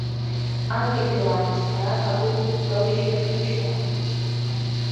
Анкьатәи лаамысҭара агәы калыжьхьаз џьушьома!